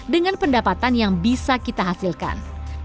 dengan pendapatan yang bisa kita hasilkan